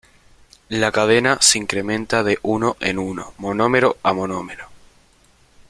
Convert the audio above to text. La cadena se incrementa de uno en uno, monómero a monómero.